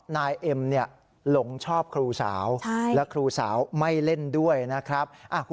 นายเอ็มหลงชอบครูสาวและครูสาวไม่เล่นด้วยนะครับ